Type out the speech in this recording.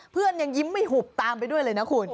เพื่อนยังยิ้มไม่หุบตามไปด้วยเลยนะคุณ